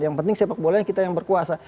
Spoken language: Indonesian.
yang penting sepak bola kita yang berkuasa